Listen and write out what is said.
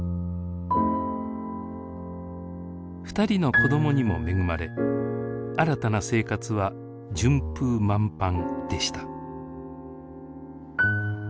２人の子どもにも恵まれ新たな生活は順風満帆でした。